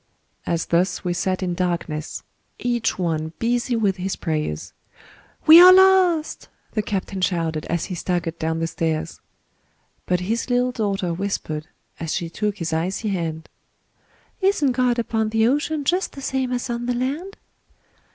As thus we sat in darkness Each one busy with his prayers, "We are lost!" the captain shouted, As he staggered down the stairs. But his little daughter whispered, As she took his icy hand, "Isn't God upon the ocean, Just the same as on the land?"